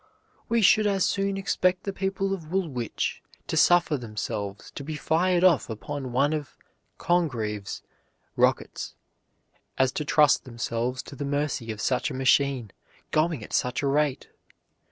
"We should as soon expect the people of Woolwich to suffer themselves to be fired off upon one of Congreve's rockets as to trust themselves to the mercy of such a machine, going at such a rate.